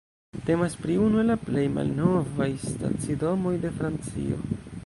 Temas pri unu el la plej malnovaj stacidomoj de Francio.